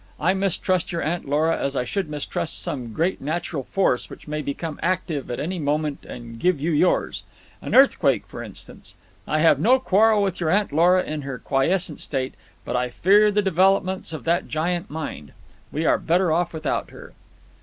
"I mistrust your Aunt Lora as I should mistrust some great natural force which may become active at any moment and give you yours. An earthquake, for instance. I have no quarrel with your Aunt Lora in her quiescent state, but I fear the developments of that giant mind. We are better off without her."